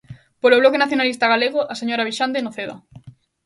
Polo Bloque Nacionalista Galego, a señora Vixande Noceda.